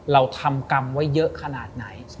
เราทำกรรมไว้เยอะขนาดไหน